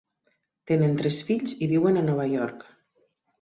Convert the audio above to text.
Tenen tres fills i viuen a Nova York.